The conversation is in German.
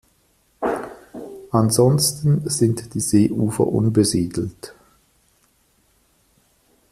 Ansonsten sind die Seeufer unbesiedelt.